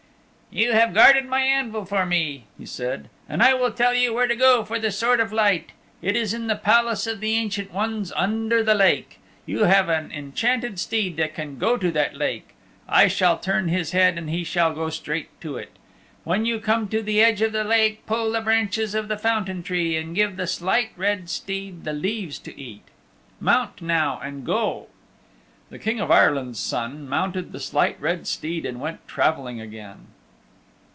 "You have guarded my anvil for me," he said, "and I will tell you where to go for the Sword of Light. It is in the Palace of the Ancient Ones under the Lake. You have an enchanted steed that can go to that Lake. I shall turn his head, and he shall go straight to it. When you come to the edge of the Lake pull the branches of the Fountain Tree and give the Slight Red Steed the leaves to eat. Mount now and go." The King of Ireland's Son mounted the Slight Red Steed and went traveling again.